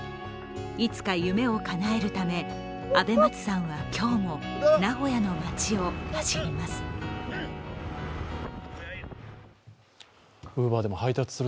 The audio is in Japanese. いつか夢をかなえるためあべ松さんは今日も名古屋の街を走ります。